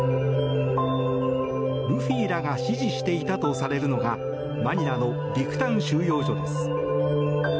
ルフィらが指示していたとされるのがマニラのビクタン収容所です。